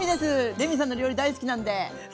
レミさんの料理大好きなんで。